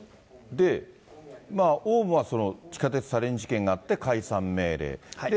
オウムは地下鉄サリン事件があって、解散命令。